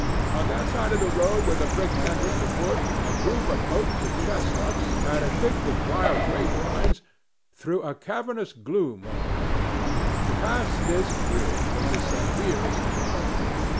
On that side of the road where the brook entered the wood, a group of oaks and chestnuts, matted thick with wild grape vines, threw a cavernous gloom over it. To pass this bridge was the severest trial.